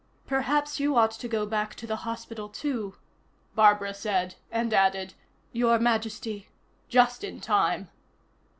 "Perhaps you ought to go back to the hospital, too," Barbara said, and added: "Your Majesty," just in time.